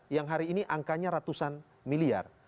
yang hari ini angkanya ratusan miliar